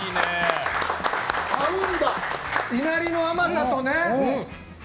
いなりの甘さとね！